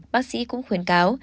bác sĩ cũng khuyến cáo